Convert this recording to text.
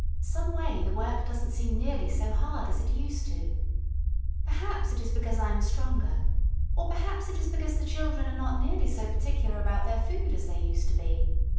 Some way, the work does n't seem nearly so hard as it used to. Perhaps it is because I am stronger, or perhaps it is because the children are not nearly so particular about their food as they used to be.